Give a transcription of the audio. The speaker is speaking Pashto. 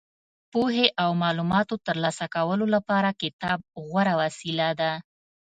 پوهې او معلوماتو ترلاسه کولو لپاره کتاب غوره وسیله ده.